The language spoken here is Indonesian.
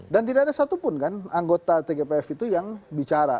dan tidak ada satupun kan anggota tgpf itu yang bicara